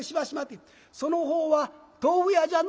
その方は豆腐屋じゃの？」。